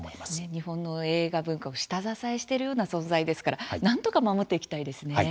日本の映画文化を下支えしているような存在ですからなんとか守っていきたいですね。